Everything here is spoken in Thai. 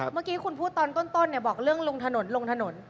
เมื่อกี้คุณพูดตอนต้นบอกเรื่องลงถนนลงถนน